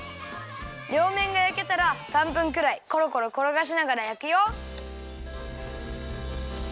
りょうめんがやけたら３分くらいコロコロころがしながらやくよ。